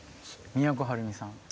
都はるみさん。